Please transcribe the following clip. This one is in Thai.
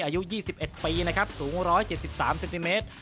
อายุ๒๑ปีนะครับสูง๑๗๓เซนติเมตร